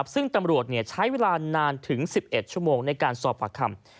ซึ่งตำรวจใช้เวลานานถึง๑๑ชั่วโมงในการสอบปากคำ